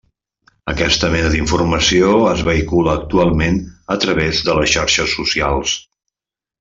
Aquesta mena d’informació es vehicula actualment a través de les xarxes socials.